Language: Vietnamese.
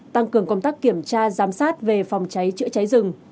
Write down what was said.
tăng cường công tác kiểm tra giám sát về phòng cháy chữa cháy rừng